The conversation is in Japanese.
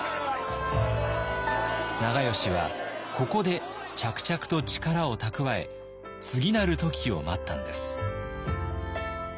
長慶はここで着々と力を蓄え次なる時を待ったんです。